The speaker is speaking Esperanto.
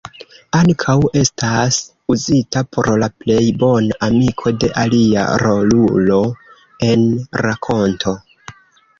Ankaŭ estas uzita por la plej bona amiko de alia rolulo en rakonto.